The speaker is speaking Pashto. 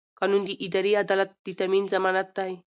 قانون د اداري عدالت د تامین ضمانت دی.